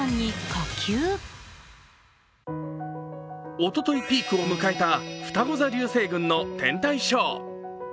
おとといピークを迎えたふたご座流星群の天体ショー。